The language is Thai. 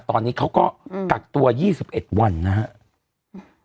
ตอนนี้เขาก็กักตัว๒๑วันนะครับ